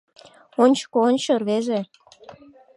Ончыко ончо, рвезе